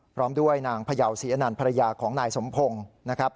พร้อมด้วยนางพยาวศรีอนันต์ภรรยาของนายสมพงศ์นะครับ